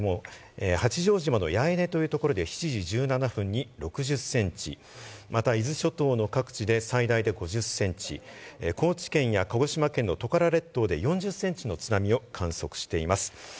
八丈島の八重根というところで７時１７分に６０センチ、伊豆諸島の各地で最大で５０センチ、高知県や鹿児島県のトカラ列島で４０センチの津波を観測しています。